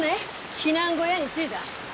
避難小屋に着いだ？